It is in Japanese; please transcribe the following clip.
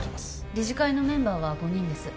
理事会のメンバーは５人です